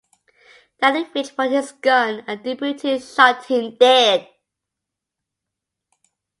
Downing reached for his gun and the Deputy shot him dead.